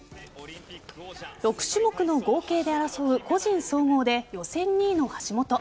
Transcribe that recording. ６種目の合計で争う個人総合で予選２位の橋本。